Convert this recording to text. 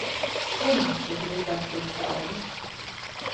Zinu, cik grūti atrast draugus.